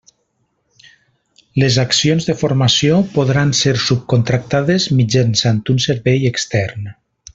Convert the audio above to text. Les accions de formació podran ser subcontractades mitjançant un servei extern.